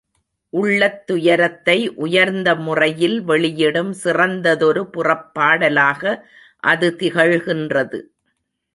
உள்ளத் துயரத்தை உயர்ந்த முறையில் வெளியிடும் சிறந்ததொரு புறப்பாடலாக அது திகழ்கின்றது.